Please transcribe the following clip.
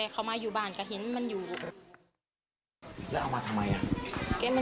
กระดูกใคร